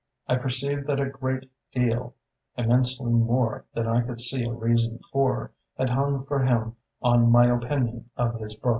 I perceived that a great deal immensely more than I could see a reason for had hung for him on my opinion of his book.